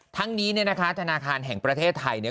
ทั้งนี้ธนาคารแห่งประเทศไทย